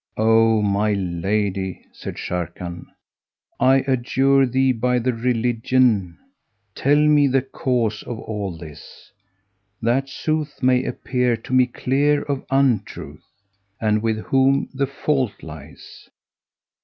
"O my lady," said Sharrkan, "I adjure thee by thy religion, tell me the cause of all this, that sooth may appear to me clear of untruth, and with whom the fault lies."